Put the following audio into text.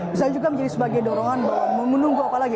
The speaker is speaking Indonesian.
misalnya juga menjadi sebagai dorongan untuk menunggu apa lagi